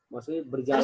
maksudnya berjalan dulu